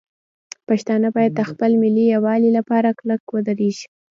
پښتانه باید د خپل ملي یووالي لپاره کلک ودرېږي.